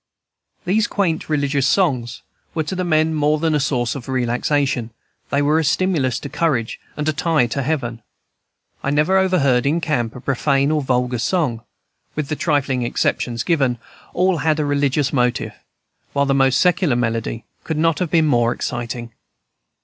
These quaint religious songs were to the men more than a source of relaxation; they were a stimulus to courage and a tie to heaven. I never overheard in camp a profane or vulgar song. With the trifling exceptions given, all had a religious motive, while the most secular melody could not have been more exciting.